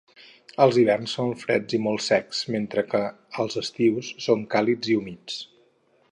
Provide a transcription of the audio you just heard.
Els hiverns són freds i molt secs, mentre que els estius són càlids i humits.